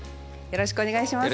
よろしくお願いします。